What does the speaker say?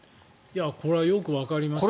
これはよくわかりますね。